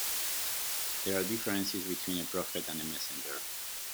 There are differences between a prophet and a messenger.